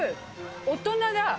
大人だ。